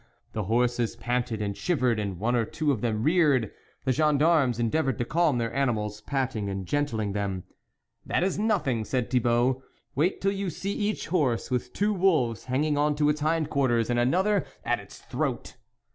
The horses panted and shivered, and one or two of them reared. The gendarmes endeavoured to calm their animals, patting and gentling them. " That is nothing," said Thibault, " wait till you see each horse with two wolves hanging on to its hind quarters and another at its throat."